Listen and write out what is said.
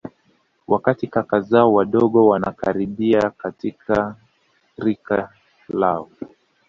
Wakati kaka zao wadogo wanakaribia katika rika lao